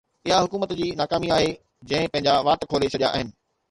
اِها حڪومت جي ناڪامي آهي، جنهن پنهنجا وات کولي ڇڏيا آهن